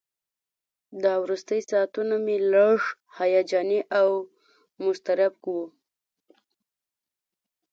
دا وروستي ساعتونه مې لږ هیجاني او مضطرب وو.